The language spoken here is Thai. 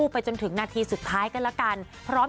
พ่อสอบตรงนี้ละจ้ะ